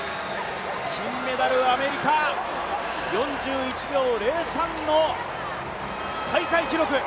金メダル、アメリカ、４１秒０３の大会記録。